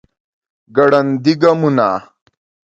ګړندي ګامونه